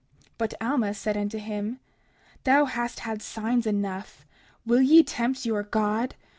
30:44 But Alma said unto him: Thou hast had signs enough; will ye tempt your God?